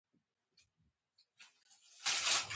د ماشوم بستر باید نرم او پاک وي۔